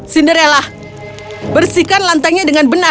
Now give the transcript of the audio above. cinderella bersihkan lantainya dengan benar